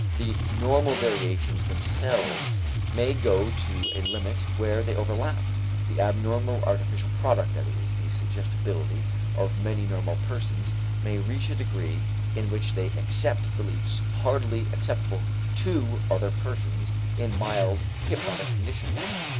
The normal variations themselves may go to a limit where they overlap the abnormal artificial product, that is, the suggestibility of many normal persons may reach a degree in which they accept beliefs hardly acceptable to other persons in mild hypnotic condition.